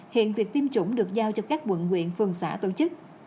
hiện việc tiêm chủng được giao cho các quận nguyện phường xã tổ chức